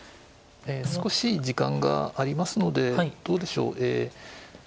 少し時間がありますのでどうでしょうえ。